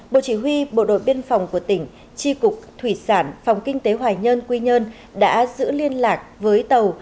bộ chỉ huy bộ đội biên phòng của tỉnh tri cục thủy sản phòng kinh tế hoài nhơn quy nhơn đã giữ liên lạc với tàu